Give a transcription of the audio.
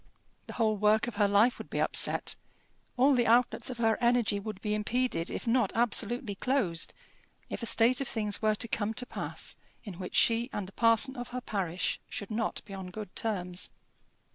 The whole work of her life would be upset, all the outlets of her energy would be impeded if not absolutely closed, if a state of things were to come to pass in which she and the parson of her parish should not be on good terms.